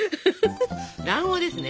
卵黄ですね。